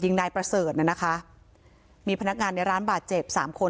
นายประเสริฐน่ะนะคะมีพนักงานในร้านบาดเจ็บสามคน